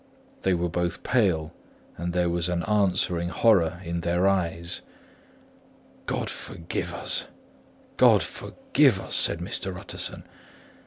They were both pale; and there was an answering horror in their eyes. "God forgive us, God forgive us," said Mr. Utterson.